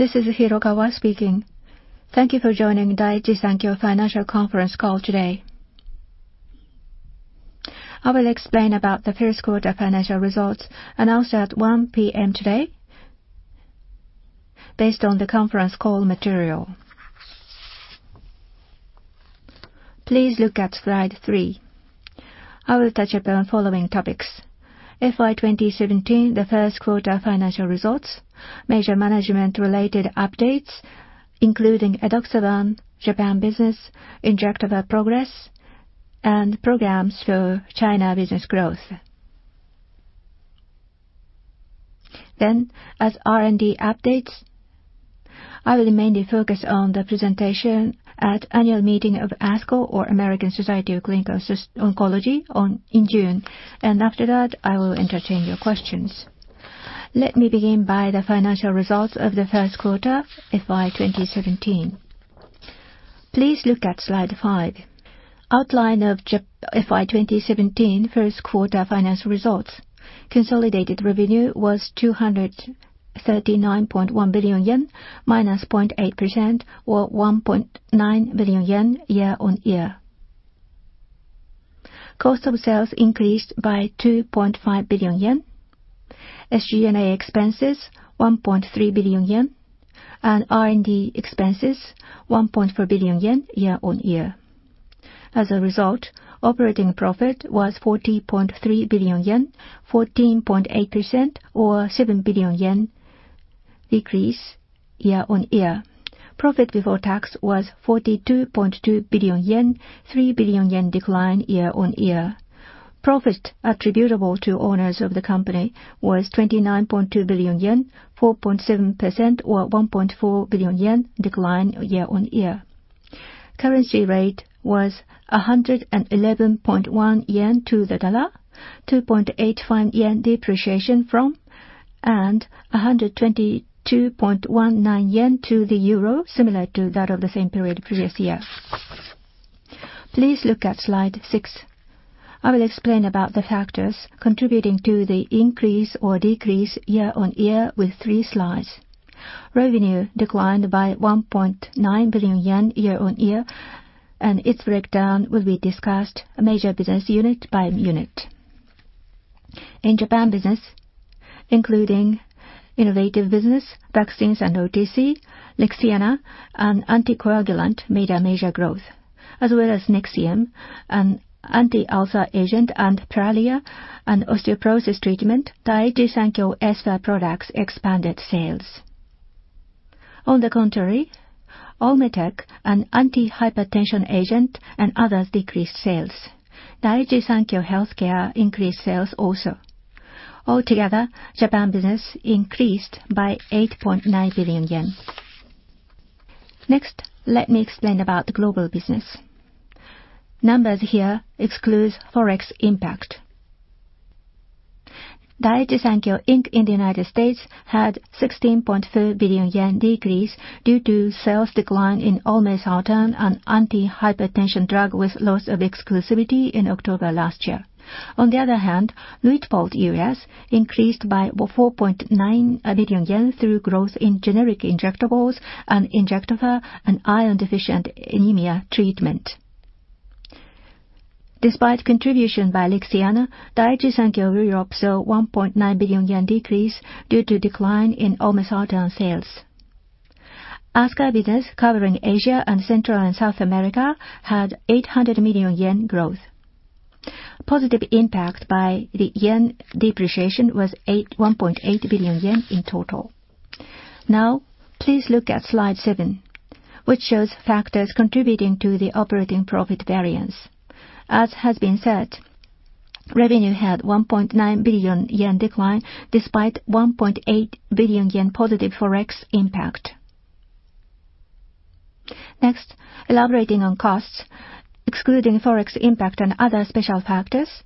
This is Hirokawa speaking. Thank you for joining Daiichi Sankyo Financial Conference Call today. I will explain about the first quarter financial results announced at 1:00 P.M. today based on the conference call material. Please look at slide three. I will touch upon following topics: FY 2017, the first quarter financial results, major management-related updates, including edoxaban, Japan business, injectable progress, and programs for China business growth. As R&D updates, I will mainly focus on the presentation at annual meeting of ASCO, or American Society of Clinical Oncology, in June. After that, I will entertain your questions. Let me begin by the financial results of the first quarter, FY 2017. Please look at slide five, outline of FY 2017 first quarter financial results. Consolidated revenue was 239.1 billion yen, minus 0.8%, or 1.9 billion yen year-on-year. Cost of sales increased by 2.5 billion yen, SG&A expenses, 1.3 billion yen, and R&D expenses, 1.4 billion yen year-on-year. As a result, operating profit was 40.3 billion yen, 14.8%, or 7 billion yen decrease year-on-year. Profit before tax was 42.2 billion yen, 3 billion yen decline year-on-year. Profit attributable to owners of the company was 29.2 billion yen, 4.7%, or 1.4 billion yen decline year-on-year. Currency rate was 111.1 yen to the USD, JPY 2.85 depreciation from, and 122.19 yen to the EUR, similar to that of the same period previous year. Please look at slide six. I will explain about the factors contributing to the increase or decrease year-on-year with three slides. Revenue declined by 1.9 billion yen year-on-year, its breakdown will be discussed major business unit by unit. In Japan business, including innovative business, vaccines and OTC, Lixiana, an anticoagulant, made a major growth. As well as Nexium, an anti-ulcer agent, and Prolia, an osteoporosis treatment, Daiichi Sankyo Espha products expanded sales. On the contrary, Olmetec, an anti-hypertension agent, and others decreased sales. Daiichi Sankyo Healthcare increased sales also. Altogether, Japan business increased by 8.9 billion yen. Next, let me explain about the global business. Numbers here excludes Forex impact. Daiichi Sankyo, Inc. in the U.S. had 16.4 billion yen decrease due to sales decline in olmesartan, an anti-hypertension drug with loss of exclusivity in October last year. On the other hand, Luitpold U.S. increased by 4.9 billion yen through growth in generic injectables and Injectafer, an iron-deficient anemia treatment. Despite contribution by Lixiana, Daiichi Sankyo Europe saw 1.9 billion yen decrease due to decline in olmesartan sales. ASCA business, covering Asia and Central and South America, had 800 million yen growth. Positive impact by the JPY depreciation was 1.8 billion yen in total. Now, please look at slide seven, which shows factors contributing to the operating profit variance. As has been said, revenue had 1.9 billion yen decline despite 1.8 billion yen positive Forex impact. Next, elaborating on costs. Excluding Forex impact and other special factors,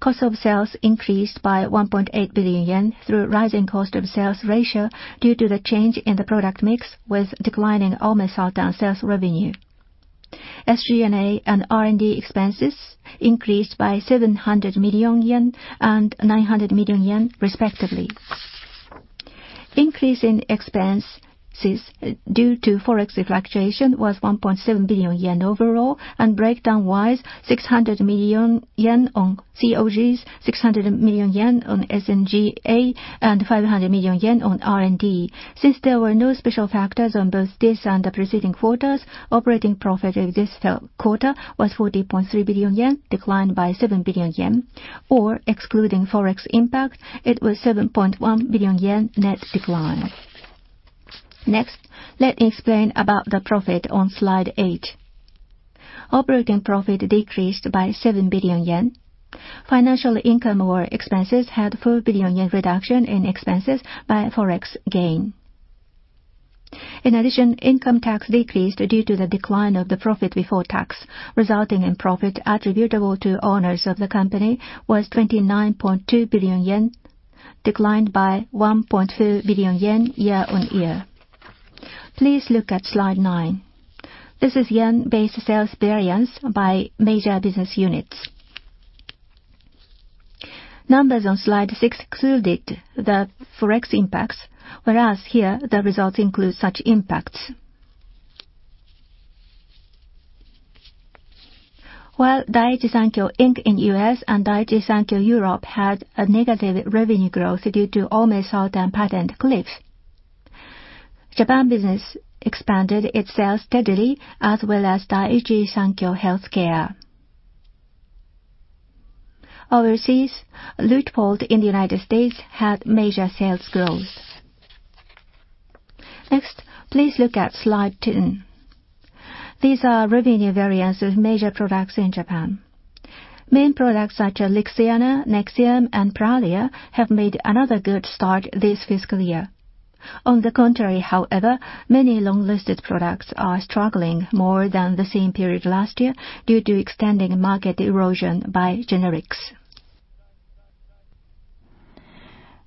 cost of sales increased by 1.8 billion yen through rising cost of sales ratio due to the change in the product mix with declining olmesartan sales revenue. SG&A and R&D expenses increased by 700 million yen and 900 million yen, respectively. Increase in expenses due to Forex fluctuation was 1.7 billion yen overall, and breakdown-wise, 600 million yen on COGS, 600 million yen on SG&A, and 500 million yen on R&D. Since there were no special factors on both this and the preceding quarters, operating profit this quarter was 40.3 billion yen, declined by 7 billion yen, or excluding Forex impact, it was 7.1 billion yen net decline. Next, let me explain about the profit on slide eight. Operating profit decreased by 7 billion yen. Financial income or expenses had 4 billion yen reduction in expenses by Forex gain. In addition, income tax decreased due to the decline of the profit before tax, resulting in profit attributable to owners of the company was 29.2 billion yen, declined by 1.4 billion yen year-over-year. Please look at slide nine. This is yen-based sales variance by major business units. Numbers on slide six excluded the Forex impacts, whereas here the results include such impacts. While Daiichi Sankyo Inc. in U.S. and Daiichi Sankyo Europe had a negative revenue growth due to almost all their patent cliffs. Japan business expanded its sales steadily, as well as Daiichi Sankyo Healthcare. Overseas, Luitpold in the United States had major sales growth. Next, please look at slide 10. These are revenue variants of major products in Japan. Main products such as Lixiana, Nexium, and Prolia have made another good start this fiscal year. On the contrary, however, many long-listed products are struggling more than the same period last year due to extending market erosion by generics.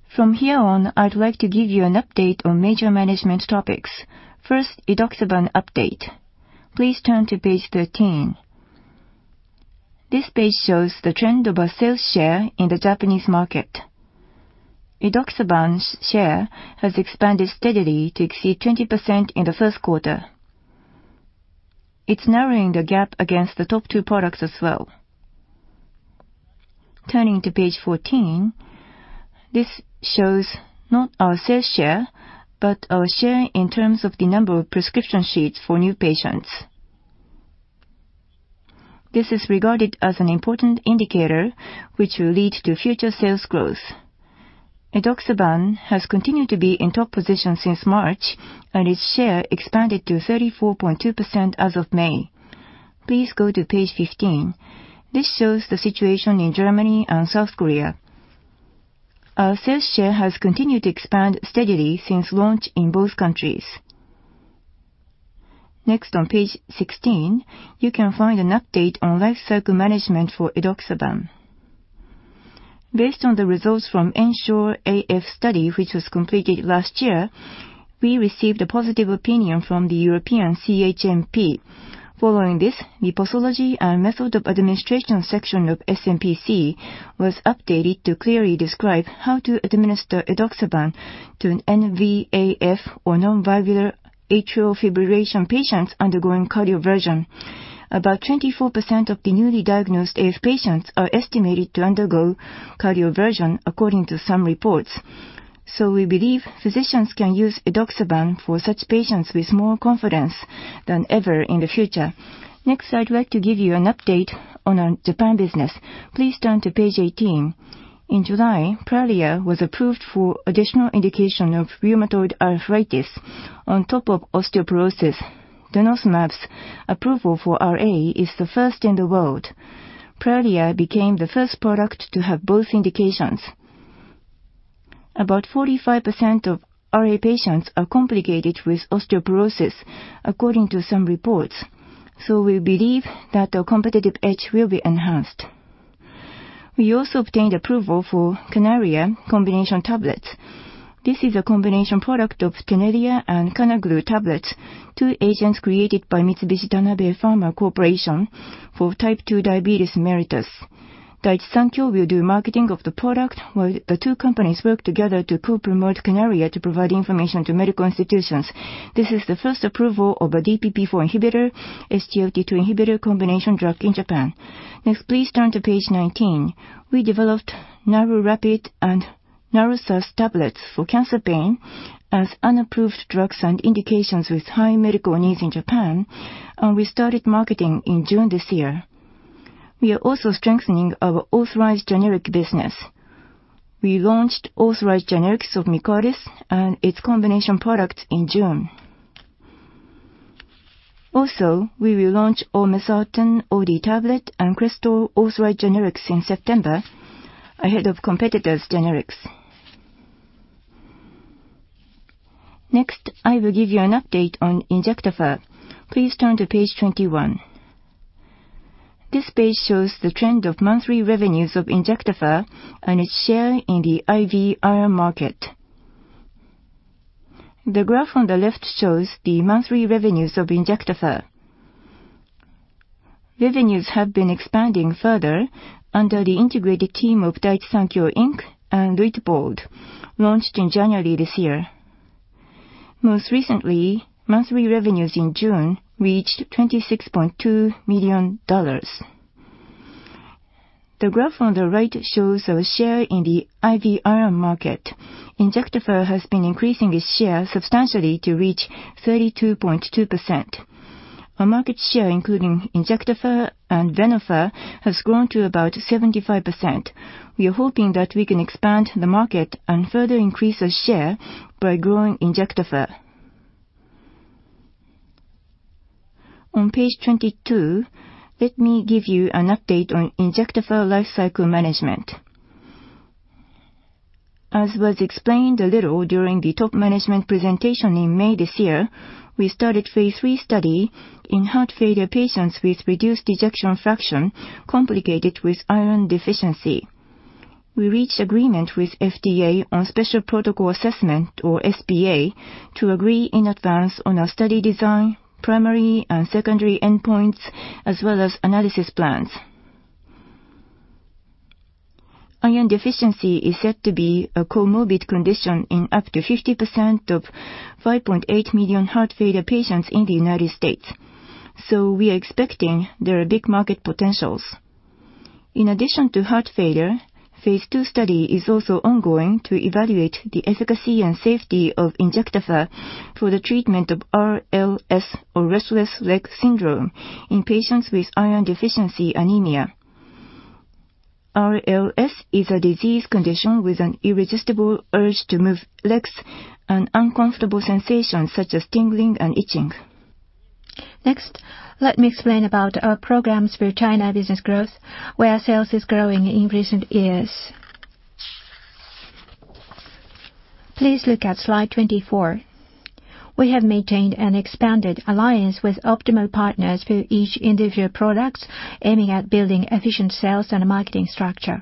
From here on, I'd like to give you an update on major management topics. First, edoxaban update. Please turn to page 13. This page shows the trend of our sales share in the Japanese market. edoxaban's share has expanded steadily to exceed 20% in the first quarter. It's narrowing the gap against the top two products as well. Turning to page 14, this shows not our sales share, but our share in terms of the number of prescription sheets for new patients. This is regarded as an important indicator which will lead to future sales growth. edoxaban has continued to be in top position since March, and its share expanded to 34.2% as of May. Please go to page 15. This shows the situation in Germany and South Korea. Our sales share has continued to expand steadily since launch in both countries. Next, on page 16, you can find an update on lifecycle management for edoxaban. Based on the results from ENSURE-AF study, which was completed last year, we received a positive opinion from the European CHMP. Following this, the posology and method of administration section of SMPC was updated to clearly describe how to administer edoxaban to an NVAF or non-valvular atrial fibrillation patients undergoing cardioversion. About 24% of the newly diagnosed AF patients are estimated to undergo cardioversion according to some reports. We believe physicians can use edoxaban for such patients with more confidence than ever in the future. I'd like to give you an update on our Japan business. Please turn to page 18. In July, Prolia was approved for additional indication of rheumatoid arthritis on top of osteoporosis. denosumab's approval for RA is the first in the world. Prolia became the first product to have both indications. About 45% of RA patients are complicated with osteoporosis, according to some reports. We believe that our competitive edge will be enhanced. We also obtained approval for CANALIA combination tablets. This is a combination product of Tenelia and Canaglu tablets, two agents created by Mitsubishi Tanabe Pharma Corporation for type 2 diabetes mellitus. Daiichi Sankyo will do marketing of the product while the two companies work together to co-promote CANALIA to provide information to medical institutions. This is the first approval of a DPP-4 inhibitor, SGLT2 inhibitor combination drug in Japan. Next, please turn to page 19. We developed Narurapid and Narusas tablets for cancer pain as unapproved drugs and indications with high medical needs in Japan, and we started marketing in June this year. We are also strengthening our authorized generic business. We launched authorized generics of Mircette and its combination product in June. Also, we will launch Olmesartan OD tablet and Crestor authorized generics in September ahead of competitors' generics. Next, I will give you an update on Injectafer. Please turn to page 21. This page shows the trend of monthly revenues of Injectafer and its share in the IV iron market. The graph on the left shows the monthly revenues of Injectafer. Revenues have been expanding further under the integrated team of Daiichi Sankyo, Inc. and Luitpold, launched in January this year. Most recently, monthly revenues in June reached $26.2 million. The graph on the right shows our share in the IV iron market. Injectafer has been increasing its share substantially to reach 32.2%. Our market share, including Injectafer and Venofer, has grown to about 75%. We are hoping that we can expand the market and further increase our share by growing Injectafer. On page 22, let me give you an update on Injectafer lifecycle management. As was explained a little during the top management presentation in May this year, we started phase III study in heart failure patients with reduced ejection fraction complicated with iron deficiency. We reached agreement with FDA on special protocol assessment, or SPA, to agree in advance on our study design, primary and secondary endpoints, as well as analysis plans. Iron deficiency is said to be a comorbid condition in up to 50% of 5.8 million heart failure patients in the U.S. We are expecting there are big market potentials. In addition to heart failure, phase II study is also ongoing to evaluate the efficacy and safety of Injectafer for the treatment of RLS, or restless leg syndrome, in patients with iron deficiency anemia. RLS is a disease condition with an irresistible urge to move legs and uncomfortable sensations such as tingling and itching. Next, let me explain about our programs for China business growth, where sales is growing in recent years. Please look at slide 24. We have maintained an expanded alliance with optimal partners for each individual product, aiming at building efficient sales and marketing structure.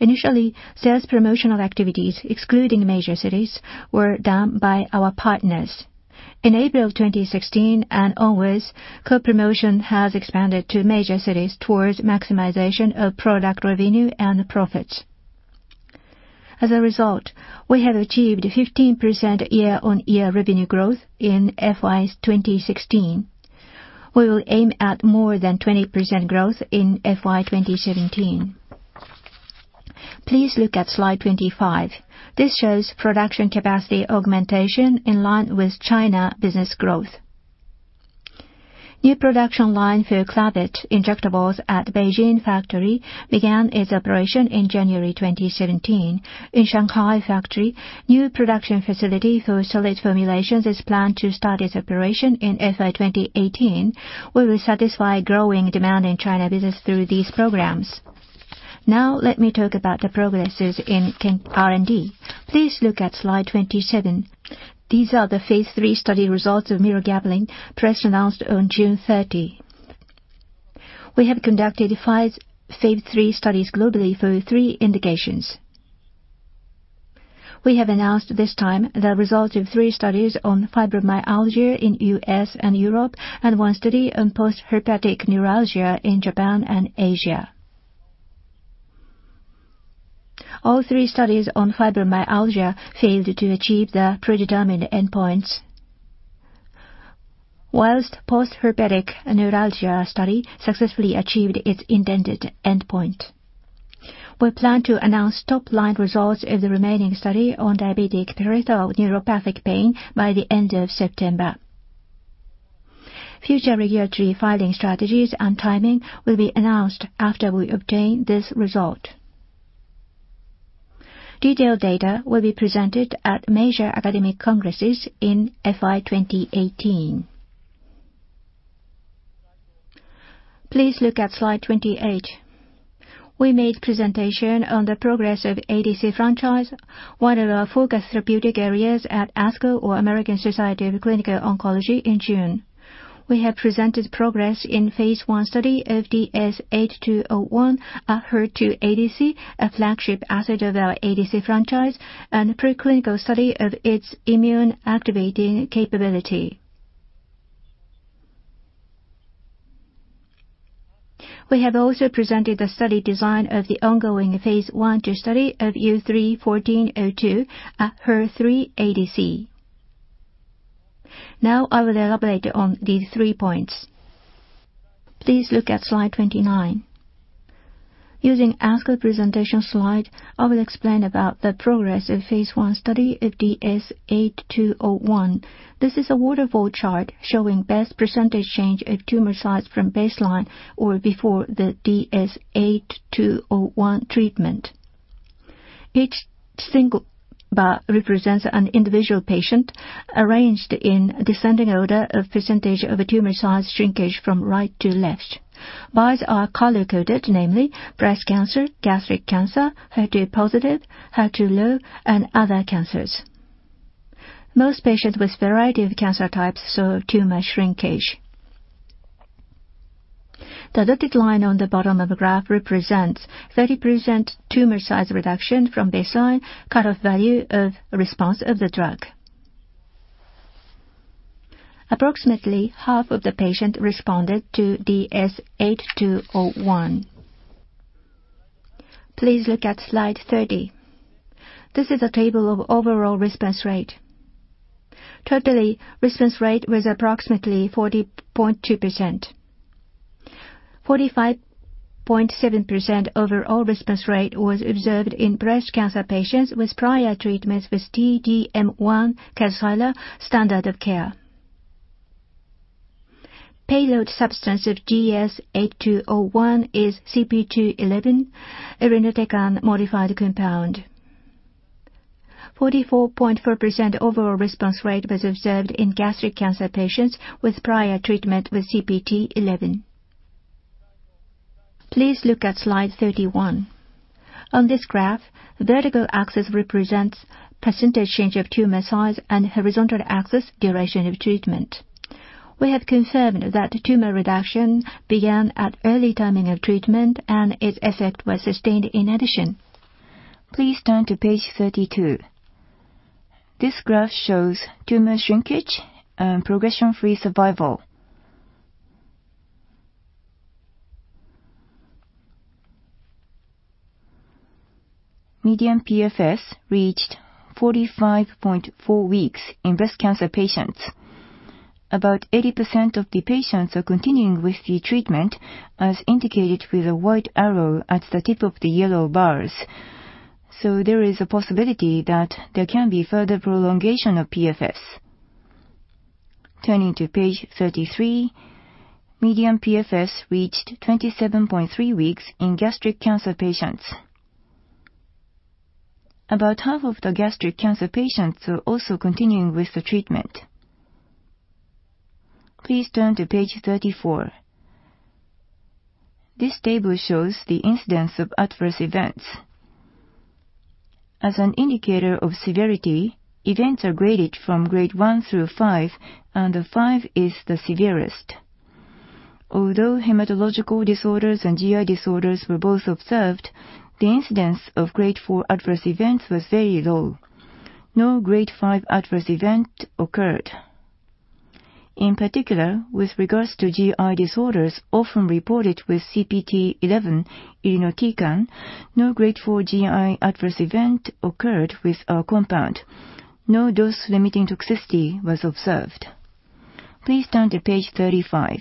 Initially, sales promotional activities, excluding major cities, were done by our partners. In April 2016 and onwards, co-promotion has expanded to major cities towards maximization of product revenue and profits. As a result, we have achieved 15% year-on-year revenue growth in FY 2016. We will aim at more than 20% growth in FY 2017. Please look at slide 25. This shows production capacity augmentation in line with China business growth. New production line for Cravit injectables at Beijing factory began its operation in January 2017. In Shanghai factory, new production facility for solid formulations is planned to start its operation in FY 2018, where we satisfy growing demand in China business through these programs. Let me talk about the progresses in R&D. Please look at slide 27. These are the phase III study results of mirogabalin announced on June 30. We have conducted five phase III studies globally for three indications. We have announced this time the results of three studies on fibromyalgia in U.S. and Europe, and one study on postherpetic neuralgia in Japan and Asia. All three studies on fibromyalgia failed to achieve the predetermined endpoints. Whilst postherpetic neuralgia study successfully achieved its intended endpoint. We plan to announce top-line results of the remaining study on diabetic peripheral neuropathic pain by the end of September. Future regulatory filing strategies and timing will be announced after we obtain this result. Detailed data will be presented at major academic congresses in FY 2018. Please look at slide 28. We made presentation on the progress of ADC franchise, one of our focused therapeutic areas, at ASCO, or American Society of Clinical Oncology, in June. We have presented progress in phase I study of DS-8201 at HER2 ADC, a flagship asset of our ADC franchise, and preclinical study of its immune activating capability. We have also presented a study design of the ongoing phase I/II study of U3-1402 at HER3 ADC. I will elaborate on these three points. Please look at slide 29. Using ASCO presentation slide, I will explain about the progress of phase I study of DS-8201. This is a waterfall chart showing best % change of tumor size from baseline or before the DS-8201 treatment. Each single bar represents an individual patient arranged in descending order of % of tumor size shrinkage from right to left. Bars are color-coded, namely breast cancer, gastric cancer, HER2 positive, HER2 low, and other cancers. Most patients with a variety of cancer types saw tumor shrinkage. The dotted line on the bottom of the graph represents 30% tumor size reduction from baseline cutoff value of response of the drug. Approximately half of the patients responded to DS-8201. Please look at slide 30. This is a table of overall response rate. Totally, response rate was approximately 40.2%. 45.7% overall response rate was observed in breast cancer patients with prior treatments with T-DM1 [Trodelvy] standard of care. Payload substance of DS-8201 is CPT-11, irinotecan modified compound. 44.4% overall response rate was observed in gastric cancer patients with prior treatment with CPT-11. Please look at slide 31. On this graph, the vertical axis represents % change of tumor size and horizontal axis, duration of treatment. We have confirmed that tumor reduction began at early timing of treatment and its effect was sustained in addition. Please turn to page 32. This graph shows tumor shrinkage and progression-free survival. Median PFS reached 45.4 weeks in breast cancer patients. About 80% of the patients are continuing with the treatment as indicated with a white arrow at the tip of the yellow bars. There is a possibility that there can be further prolongation of PFS. Turning to page 33, median PFS reached 27.3 weeks in gastric cancer patients. About half of the gastric cancer patients are also continuing with the treatment. Please turn to page 34. This table shows the incidence of adverse events. As an indicator of severity, events are graded from grade 1 through 5, and 5 is the severest. Although hematological disorders and GI disorders were both observed, the incidence of grade 4 adverse events was very low. No grade 5 adverse event occurred. In particular, with regards to GI disorders often reported with CPT-11, irinotecan, no grade 4 GI adverse event occurred with our compound. No dose-limiting toxicity was observed. Please turn to page 35.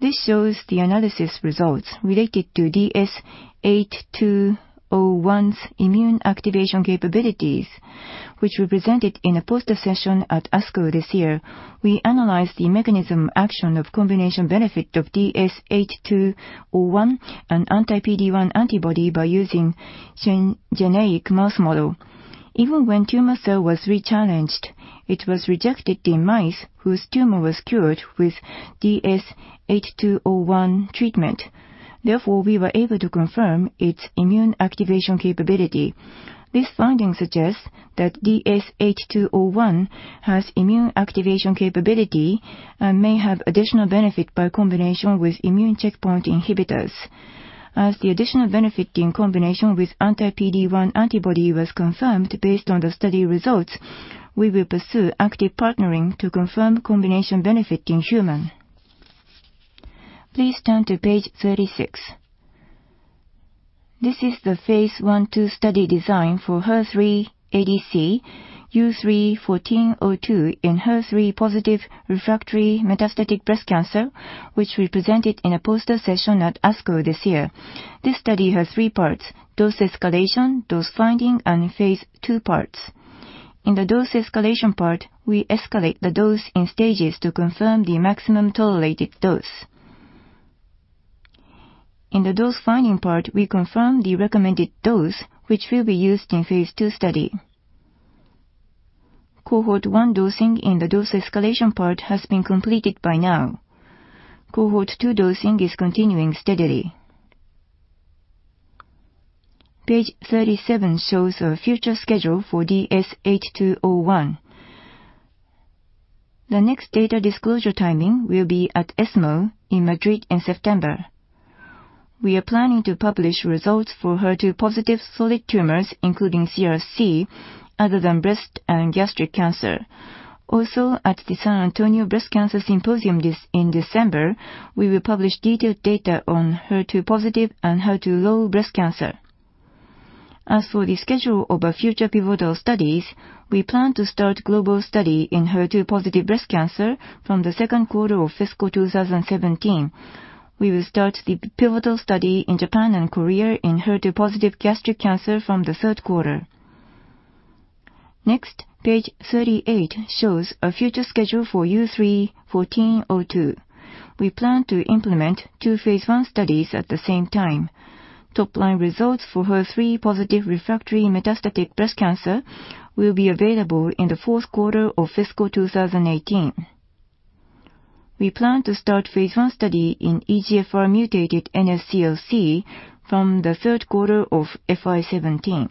This shows the analysis results related to DS-8201's immune activation capabilities, which were presented in a poster session at ASCO this year. We analyzed the mechanism action of combination benefit of DS-8201 and anti-PD-1 antibody by using a syngeneic mouse model. Even when tumor cell was rechallenged, it was rejected in mice whose tumor was cured with DS-8201 treatment. Therefore, we were able to confirm its immune activation capability. This finding suggests that DS-8201 has immune activation capability and may have additional benefit by combination with immune checkpoint inhibitors. As the additional benefit in combination with anti-PD-1 antibody was confirmed based on the study results, we will pursue active partnering to confirm combination benefit in human. Please turn to page 36. This is the phase I/II study design for HER3 ADC, U3-1402, in HER3-positive refractory metastatic breast cancer, which we presented in a poster session at ASCO this year. This study has three parts: dose escalation, dose finding, and phase II parts. In the dose escalation part, we escalate the dose in stages to confirm the maximum tolerated dose. In the dose finding part, we confirm the recommended dose, which will be used in phase II study. Cohort 1 dosing in the dose escalation part has been completed by now. Cohort 2 dosing is continuing steadily. Page 37 shows a future schedule for DS-8201. The next data disclosure timing will be at ESMO in Madrid in September. We are planning to publish results for HER2-positive solid tumors, including CRC, other than breast and gastric cancer. Also, at the San Antonio Breast Cancer Symposium in December, we will publish detailed data on HER2-positive and HER2-low breast cancer. As for the schedule of our future pivotal studies, we plan to start global study in HER2-positive breast cancer from the second quarter of fiscal 2017. We will start the pivotal study in Japan and Korea in HER2-positive gastric cancer from the third quarter. Next, page 38 shows a future schedule for U3-1402. We plan to implement two phase I studies at the same time. Top-line results for HER3-positive refractory metastatic breast cancer will be available in the fourth quarter of fiscal 2018. We plan to start phase I study in EGFR mutated NSCLC from the third quarter of FY 2017.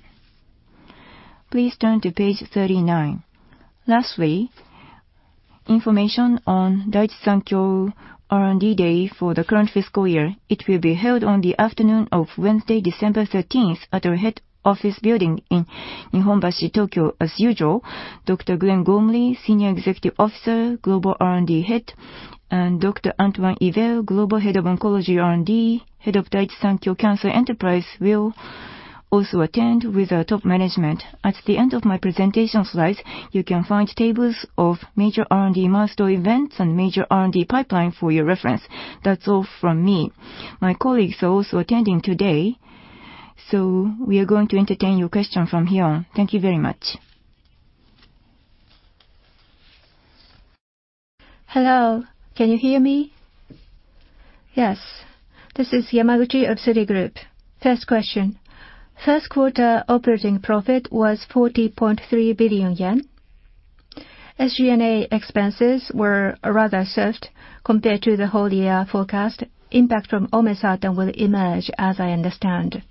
Please turn to page 39. Lastly, information on Daiichi Sankyo R&D Day for the current fiscal year. It will be held on the afternoon of Wednesday, December 13th at our head office building in Nihonbashi, Tokyo. As usual, Dr. Glenn Gormley, Senior Executive Officer, Global R&D Head, and Dr. Antoine Yver, Global Head of Oncology R&D, Head of Daiichi Sankyo Cancer Enterprise, will also attend with our top management. At the end of my presentation slides, you can find tables of major R&D milestone events and major R&D pipeline for your reference. That's all from me. My colleagues are also attending today, so we are going to entertain your question from here on. Thank you very much. Hello. Can you hear me? Yes. This is Yamaguchi of Citigroup. First question. First quarter operating profit was 40.3 billion yen. SG&A expenses were rather soft compared to the whole year forecast. Impact from Olmesartan will emerge as I understand.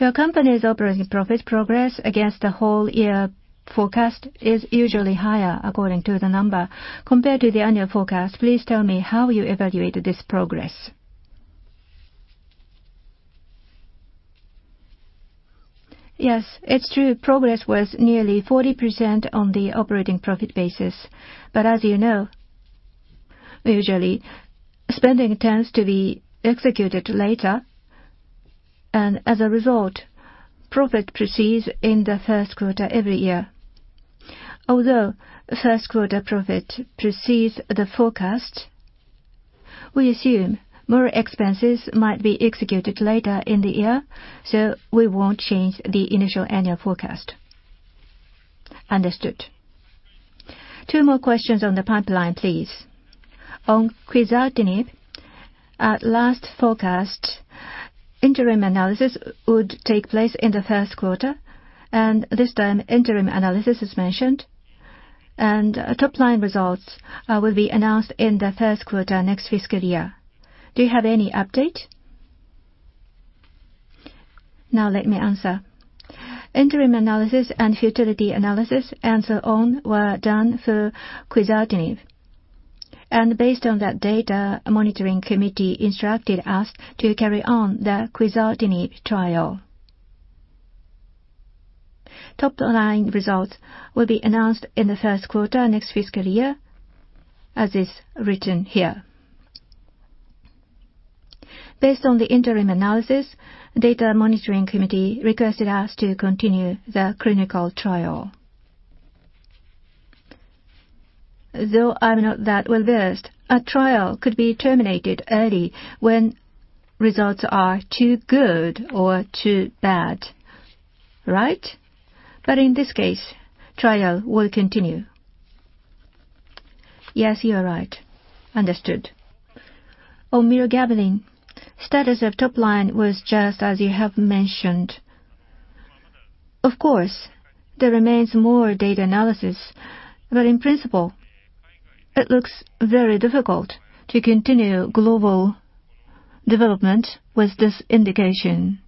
Your company's operating profit progress against the whole year forecast is usually higher according to the number. Compared to the annual forecast, please tell me how you evaluate this progress. Yes, it is true. Progress was nearly 40% on the operating profit basis. As you know, usually spending tends to be executed later, and as a result, profit precedes in the first quarter every year. Although first quarter profit precedes the forecast, we assume more expenses might be executed later in the year, so we will not change the initial annual forecast. Understood. Two more questions on the pipeline, please. On quizartinib, at last forecast, interim analysis would take place in the first quarter, and this time interim analysis is mentioned, and top-line results will be announced in the first quarter next fiscal year. Do you have any update? Let me answer. Interim analysis and futility analysis and so on were done for quizartinib. Based on that data, monitoring committee instructed us to carry on the quizartinib trial. Top-line results will be announced in the first quarter next fiscal year, as is written here. Based on the interim analysis, data monitoring committee requested us to continue the clinical trial. Though I am not that well-versed, a trial could be terminated early when results are too good or too bad, right? In this case, trial will continue. Yes, you are right. Understood. On mirogabalin, status of top-line was just as you have mentioned. Of course, there remains more data analysis, in principle, it looks very difficult to continue global development with this indication.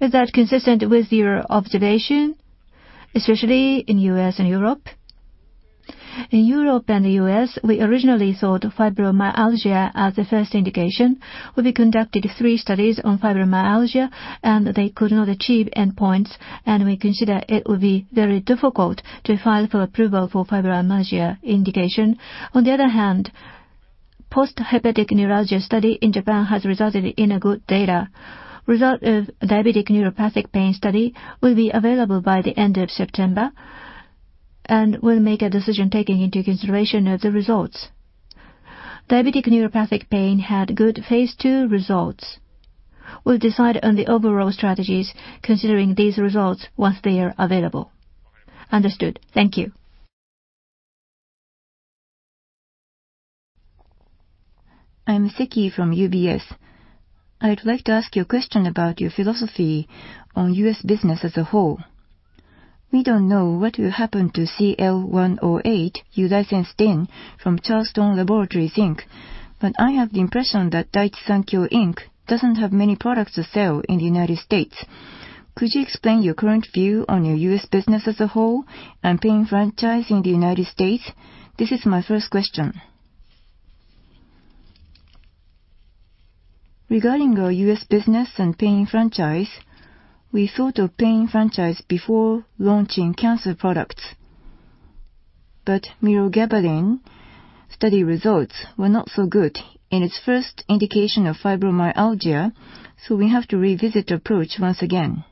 Is that consistent with your observation, especially in U.S. and Europe? In Europe and the U.S., we originally thought of fibromyalgia as the first indication. We conducted three studies on fibromyalgia, they could not achieve endpoints, and we consider it would be very difficult to file for approval for fibromyalgia indication. On the other hand, post-herpetic neuralgia study in Japan has resulted in good data. Result of diabetic neuropathic pain study will be available by the end of September, and we will make a decision taking into consideration of the results. Diabetic neuropathic pain had good phase II results. We will decide on the overall strategies considering these results once they are available. Understood. Thank you. I am Seki from UBS. I would like to ask you a question about your philosophy on U.S. business as a whole. We do not know what will happen to CL-108 you licensed in from Charleston Laboratories, Inc. I have the impression that Daiichi Sankyo, Inc. does not have many products to sell in the United States. Could you explain your current view on your U.S. business as a whole and pain franchise in the United States? This is my first question. Regarding our U.S. business and pain franchise, we thought of pain franchise before launching cancer products. Mirogabalin study results were not so good in its first indication of fibromyalgia, so we have to revisit approach once again.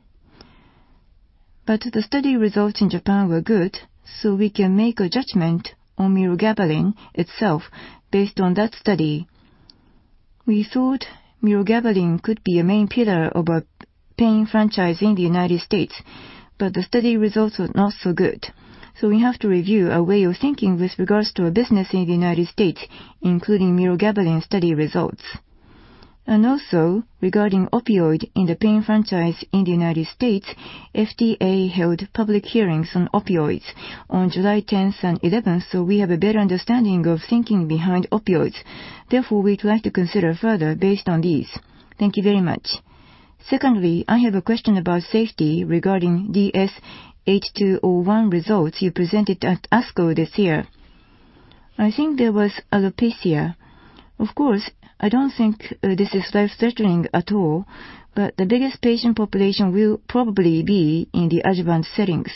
The study results in Japan were good, so we can make a judgment on mirogabalin itself based on that study. We thought mirogabalin could be a main pillar of a pain franchise in the United States, but the study results were not so good. We have to review our way of thinking with regards to our business in the United States, including mirogabalin study results. Also, regarding opioid in the pain franchise in the United States, FDA held public hearings on opioids on July 10th and 11th, so we have a better understanding of thinking behind opioids. We'd like to consider further based on these. Thank you very much. Secondly, I have a question about safety regarding DS-8201 results you presented at ASCO this year. I think there was alopecia. Of course, I don't think this is life-threatening at all, but the biggest patient population will probably be in the adjuvant settings.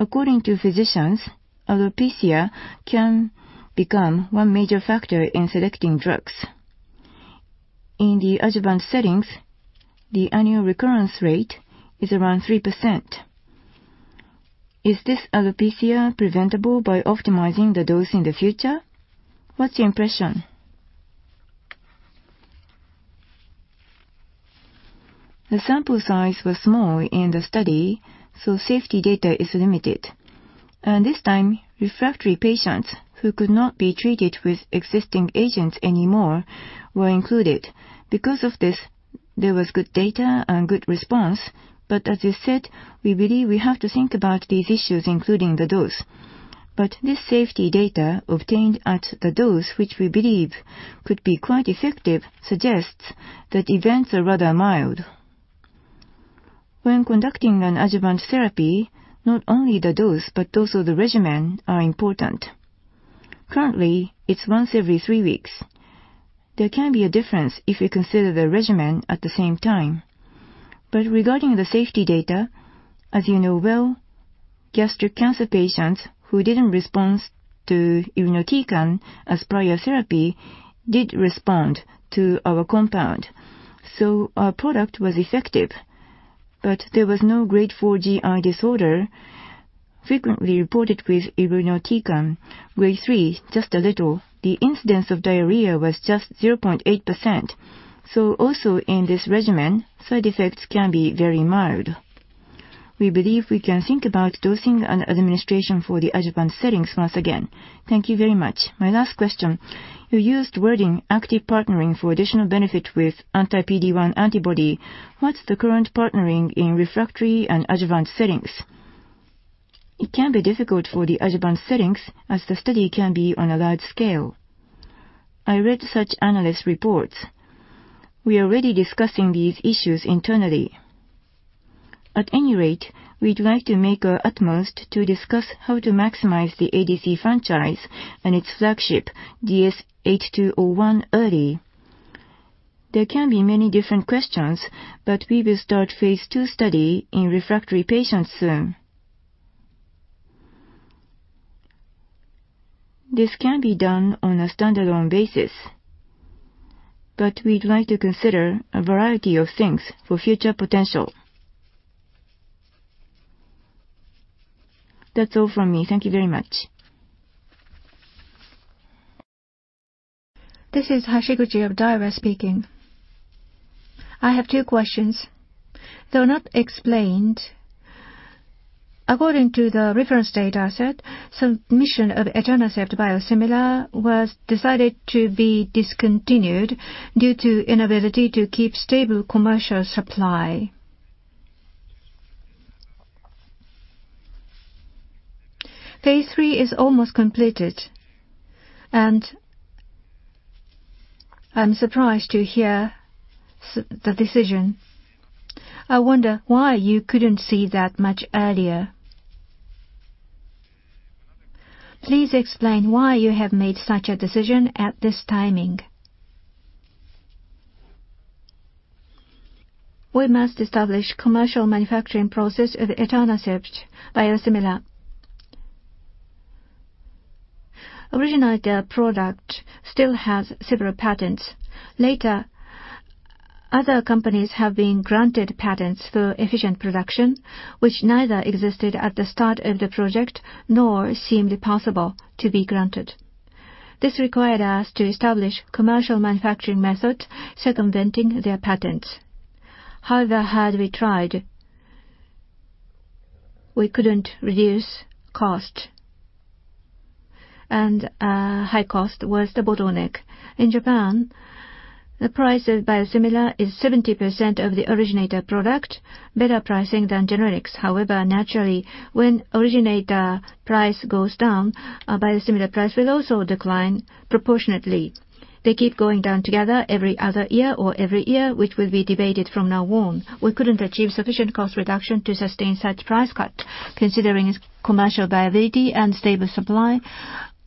According to physicians, alopecia can become one major factor in selecting drugs. In the adjuvant settings, the annual recurrence rate is around 3%. Is this alopecia preventable by optimizing the dose in the future? What's your impression? The sample size was small in the study, safety data is limited. This time, refractory patients who could not be treated with existing agents anymore were included. There was good data and good response. As I said, we believe we have to think about these issues, including the dose. This safety data obtained at a dose, which we believe could be quite effective, suggests that events are rather mild. When conducting an adjuvant therapy, not only the dose, but also the regimen are important. Currently, it's once every three weeks. There can be a difference if we consider the regimen at the same time. Regarding the safety data, as you know well, gastric cancer patients who didn't respond to irinotecan as prior therapy did respond to our compound. Our product was effective, but there was no grade 4 GI disorder frequently reported with irinotecan. Grade 3, just a little. The incidence of diarrhea was just 0.8%. Also in this regimen, side effects can be very mild. We believe we can think about dosing and administration for the adjuvant settings once again. Thank you very much. My last question, you used wording "active partnering for additional benefit with anti-PD-1 antibody." What's the current partnering in refractory and adjuvant settings? It can be difficult for the adjuvant settings, as the study can be on a large scale. I read such analyst reports. We are already discussing these issues internally. At any rate, we'd like to make our utmost to discuss how to maximize the ADC franchise and its flagship DS-8201 early. There can be many different questions, but we will start phase II study in refractory patients soon. This can be done on a standalone basis, but we'd like to consider a variety of things for future potential. That's all from me. Thank you very much. This is Hashiguchi of Daiwa speaking. I have two questions. Though not explained, according to the reference data set, submission of etanercept biosimilar was decided to be discontinued due to inability to keep stable commercial supply. Phase III is almost completed, and I'm surprised to hear the decision. I wonder why you couldn't see that much earlier. Please explain why you have made such a decision at this timing. We must establish commercial manufacturing process of etanercept biosimilar. Originator product still has several patents. Later, other companies have been granted patents for efficient production, which neither existed at the start of the project nor seemed possible to be granted. This required us to establish commercial manufacturing methods circumventing their patents. However hard we tried, we couldn't reduce cost, and high cost was the bottleneck. In Japan, the price of biosimilar is 70% of the originator product, better pricing than generics. Naturally, when originator price goes down, biosimilar price will also decline proportionately. They keep going down together every other year or every year, which will be debated from now on. We couldn't achieve sufficient cost reduction to sustain such price cut. Considering its commercial viability and stable supply,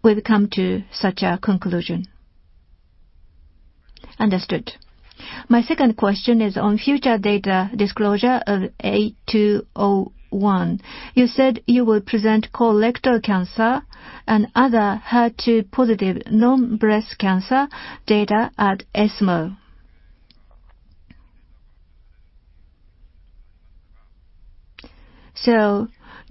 we've come to such a conclusion. Understood. My second question is on future data disclosure of DS-8201. You said you will present colorectal cancer and other HER2 positive non-breast cancer data at ESMO. Do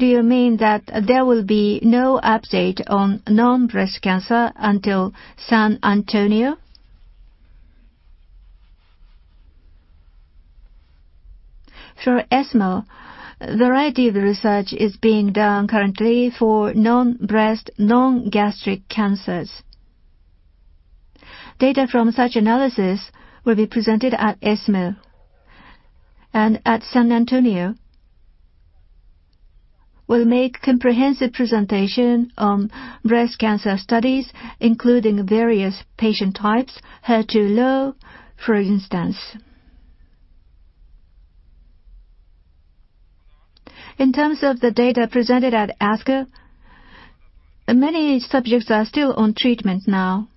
you mean that there will be no update on non-breast cancer until San Antonio? For ESMO, a variety of the research is being done currently for non-breast, non-gastric cancers. Data from such analysis will be presented at ESMO. At San Antonio, we'll make comprehensive presentation on breast cancer studies, including various patient types, HER2 low, for instance. In terms of the data presented at ASCO, many subjects are still on treatment now.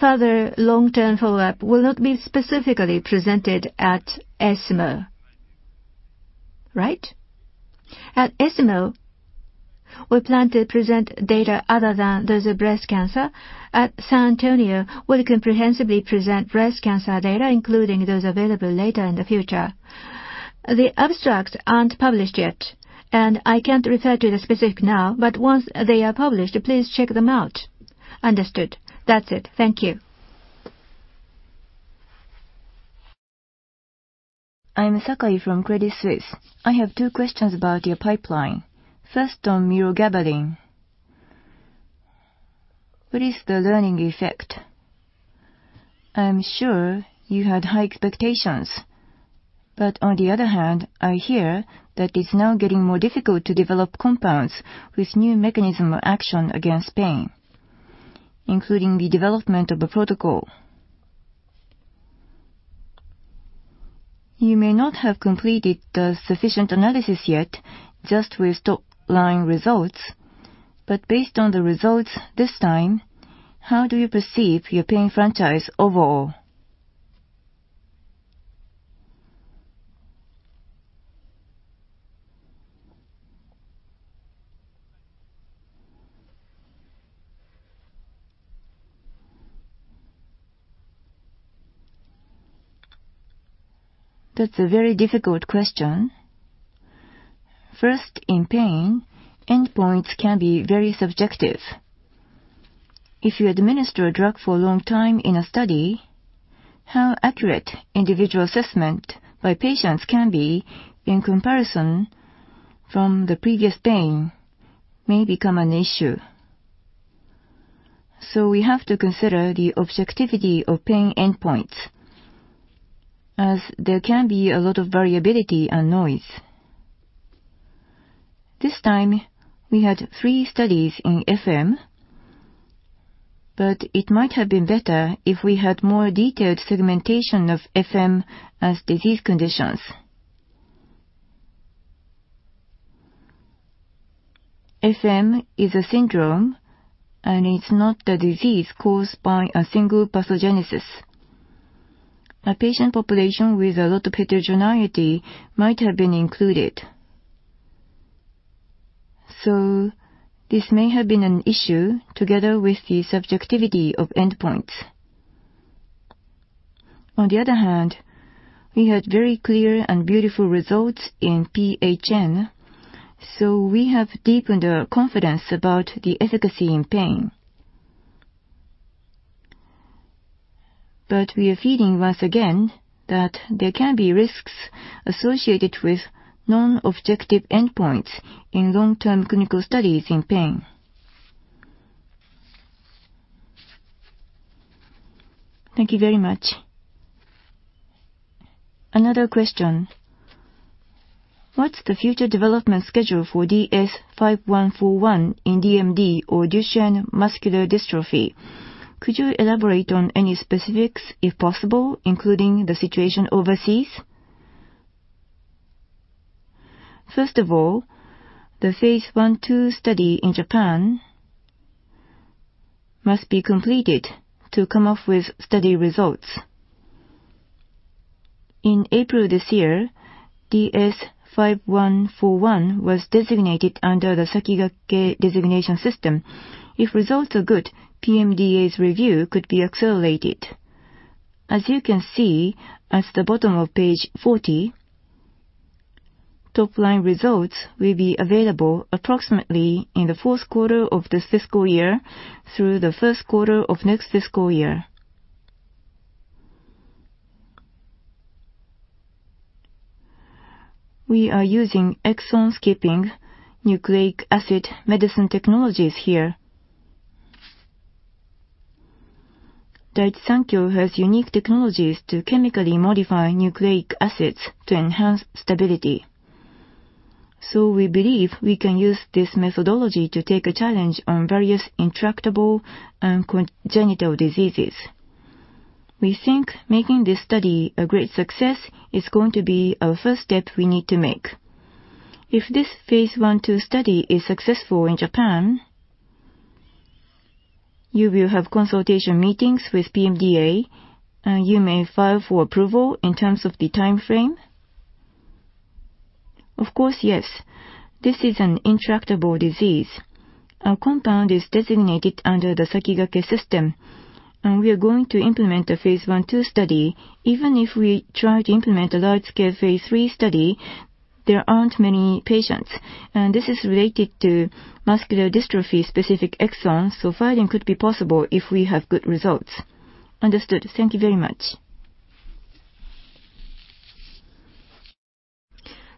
Further long-term follow-up will not be specifically presented at ESMO, right? At ESMO, we plan to present data other than those of breast cancer. At San Antonio, we'll comprehensively present breast cancer data, including those available later in the future. The abstracts aren't published yet. I can't refer to the specific now, once they are published, please check them out. Understood. That's it. Thank you. I am Sakai from Credit Suisse. I have two questions about your pipeline. First, on mirogabalin. What is the learning effect? I'm sure you had high expectations. On the other hand, I hear that it's now getting more difficult to develop compounds with new mechanism of action against pain, including the development of a protocol. You may not have completed the sufficient analysis yet just with top-line results. Based on the results this time, how do you perceive your pain franchise overall? That's a very difficult question. First, in pain, endpoints can be very subjective. If you administer a drug for a long time in a study, how accurate individual assessment by patients can be in comparison from the previous pain may become an issue. We have to consider the objectivity of pain endpoints, as there can be a lot of variability and noise. This time we had three studies in FM, but it might have been better if we had more detailed segmentation of FM as disease conditions. FM is a syndrome, and it's not a disease caused by a single pathogenesis. A patient population with a lot of heterogeneity might have been included. This may have been an issue together with the subjectivity of endpoints. On the other hand, we had very clear and beautiful results in PHN, so we have deepened our confidence about the efficacy in pain. We are feeling once again that there can be risks associated with non-objective endpoints in long-term clinical studies in pain. Thank you very much. Another question: What's the future development schedule for DS-5141 in DMD or Duchenne muscular dystrophy? Could you elaborate on any specifics, if possible, including the situation overseas? First of all, the Phase I/II study in Japan must be completed to come up with study results. In April this year, DS-5141 was designated under the Sakigake designation system. If results are good, PMDA's review could be accelerated. As you can see at the bottom of page 40, top-line results will be available approximately in the fourth quarter of this fiscal year through the first quarter of next fiscal year. We are using exon-skipping nucleic acid medicine technologies here. Daiichi Sankyo has unique technologies to chemically modify nucleic acids to enhance stability. We believe we can use this methodology to take a challenge on various intractable and congenital diseases. We think making this study a great success is going to be our first step we need to make. If this Phase I/II study is successful in Japan, you will have consultation meetings with PMDA, and you may file for approval in terms of the timeframe? Of course, yes. This is an intractable disease. Our compound is designated under the Sakigake system, and we are going to implement a Phase I/II study. Even if we try to implement a large-scale Phase III study, there aren't many patients. This is related to muscular dystrophy-specific exons, so filing could be possible if we have good results. Understood. Thank you very much.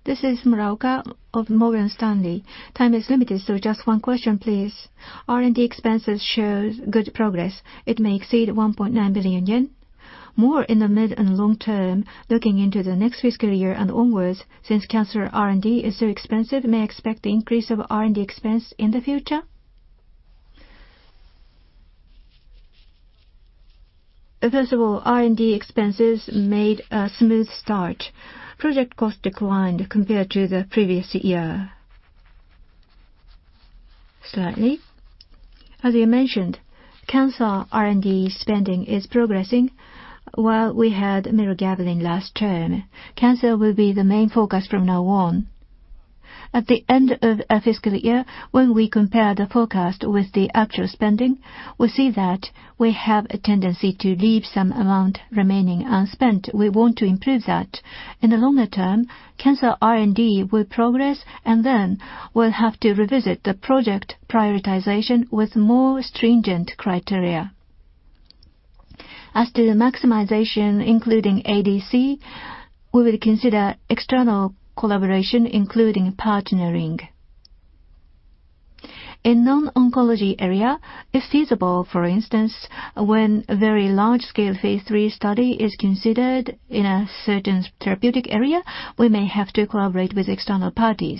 This is Muraoka of Morgan Stanley. Time is limited, so just one question, please. R&D expenses shows good progress. It may exceed 1.9 billion yen. More in the mid and long term, looking into the next fiscal year and onwards, since cancer R&D is so expensive, may I expect the increase of R&D expense in the future? First of all, R&D expenses made a smooth start. Project cost declined compared to the previous year. Slightly. As you mentioned, cancer R&D spending is progressing. While we had mirogabalin last term, cancer will be the main focus from now on. At the end of our fiscal year, when we compare the forecast with the actual spending, we see that we have a tendency to leave some amount remaining unspent. We want to improve that. In the longer term, cancer R&D will progress, and then we'll have to revisit the project prioritization with more stringent criteria. As to the maximization, including ADC, we will consider external collaboration, including partnering. In non-oncology area, if feasible, for instance, when a very large-scale phase III study is considered in a certain therapeutic area, we may have to collaborate with external parties